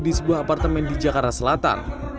di sebuah apartemen di jakarta selatan